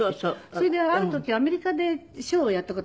それである時アメリカでショーをやった事がありましてね